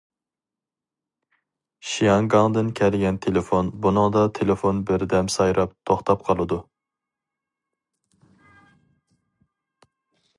شياڭگاڭدىن كەلگەن تېلېفون بۇنىڭدا تېلېفون بىردەم سايراپ، توختاپ قالىدۇ.